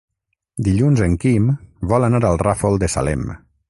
Dilluns en Quim vol anar al Ràfol de Salem.